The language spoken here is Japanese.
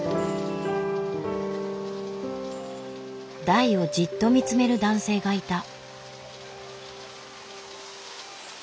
台をじっと見つめる男性がいた。